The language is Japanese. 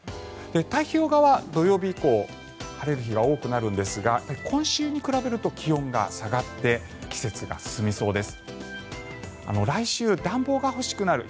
太平洋側は土曜日以降晴れる日が多くなるんですが今週に比べると気温が下がって季節が進みそうです。